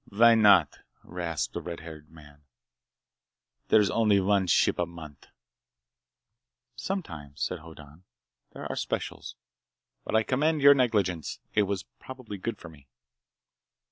"Why not?" rasped the red headed man. "There's only one ship a month!" "Sometimes," said Hoddan, "there are specials. But I commend your negligence. It was probably good for me."